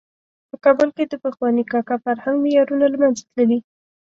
په کابل کې د پخواني کاکه فرهنګ معیارونه له منځه تللي.